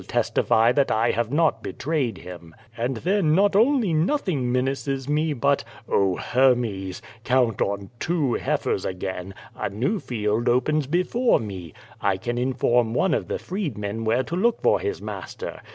1 7 testify that I have not belra3'ecl him: and tlien not only nothing menaces me, but — 0 Ilermos! count on two heifers a^ain — ^a new field opens before me. J can inform one of the freedmen where to look for his master.